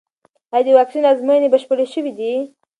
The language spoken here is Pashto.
ایا د واکسین ازموینې بشپړې شوې دي؟